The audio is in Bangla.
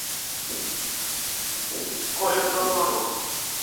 কষে চড় মারব।